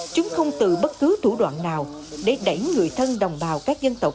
chúng không từ bất cứ thủ đoạn nào để đẩy người thân đồng bào các dân tộc